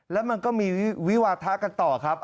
แล้วมันก็มีวิวาทะกันต่อครับ